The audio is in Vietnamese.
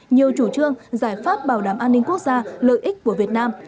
nhiều chủ trương giải pháp bảo đảm an ninh quốc gia lợi ích của việt nam